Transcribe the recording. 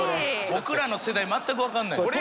僕らの世代全くわかんないです。